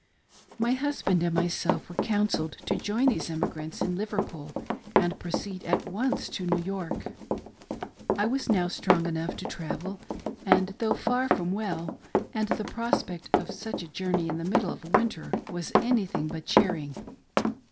My husband and myself were counselled to join these emigrants in Liverpool and proceed at once to New York. I was now strong enough to travel, and though far from well, and the prospect of such a journey in the middle of winter, was anything but cheering.